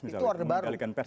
itu odeh baru